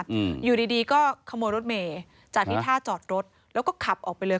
อืมอยู่ดีดีก็ขโมยรถเมย์จากที่ท่าจอดรถแล้วก็ขับออกไปเลย